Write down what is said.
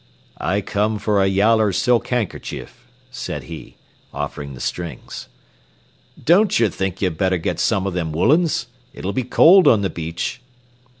"I come for a yaller silk ban'kercheef," said he, offering the strings. "Don't yer think ye'd better get some o' them woollens? It'll be cold on the beach."